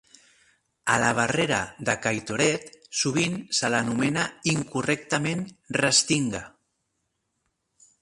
A la barrera de Kaitorete sovint se l'anomena incorrectament restinga.